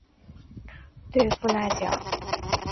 对富纳角箱鲀的繁殖的研究很彻底。